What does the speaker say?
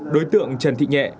đối tượng trần thị nhẹ